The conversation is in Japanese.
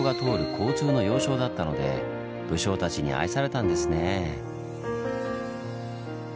交通の要衝だったので武将たちに愛されたんですねぇ。